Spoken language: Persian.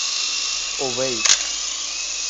اویس